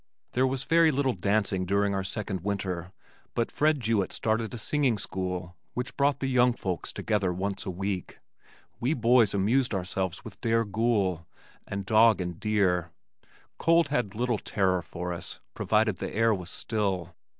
There was very little dancing during our second winter but Fred Jewett started a singing school which brought the young folks together once a week. We boys amused ourselves with "Dare Gool" and "Dog and Deer." Cold had little terror for us, provided the air was still.